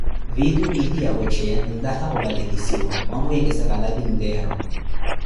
Viituro eti ya pwecheya, entaka o patilisiwa, mwamweekese kalapinteero.